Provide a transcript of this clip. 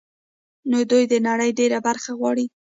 نو دوی د نړۍ ډېره برخه غواړي